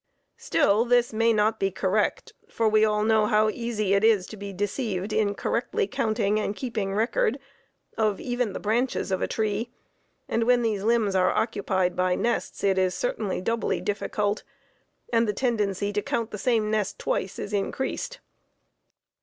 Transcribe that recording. Still this may not be correct, for we all know how easy it is to be deceived in correctly counting and keeping record of even the branches of a tree, and when these limbs are occupied by nests it is certainly doubly difficult, and the tendency to count the same nests twice is increased.